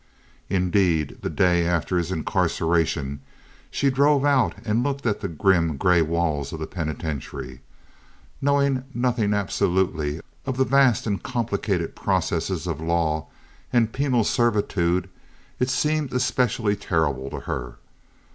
Indeed the day after his incarceration she drove out and looked at the grim, gray walls of the penitentiary. Knowing nothing absolutely of the vast and complicated processes of law and penal servitude, it seemed especially terrible to her.